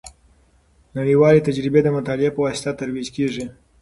نړیوالې تجربې د مطالعې په واسطه ترویج کیږي.